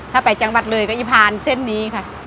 ถ้าไปจังหวัดเลยก็อีพานเส้นนี้ค่ะ